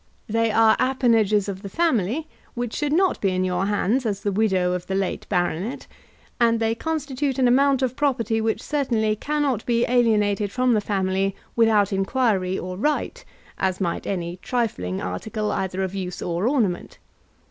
They are appanages of the family which should not be in your hands as the widow of the late baronet, and they constitute an amount of property which certainly cannot be alienated from the family without inquiry or right, as might any trifling article either of use or ornament.